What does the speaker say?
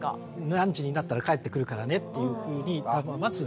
何時になったら帰ってくるからねっていうふうにまず言って。